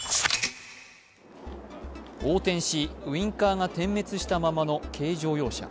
横転しウィンカーが点滅したままの軽乗用車。